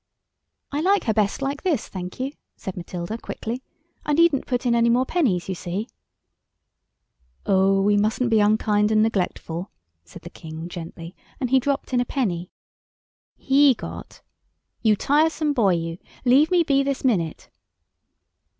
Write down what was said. "I like her best like this, thank you," said Matilda quickly. "I needn't put in any more pennies, you see." "Oh, we mustn't be unkind and neglectful," said the King gently, and he dropped in a penny. He got— "You tiresome boy, you. Leave me be this minute."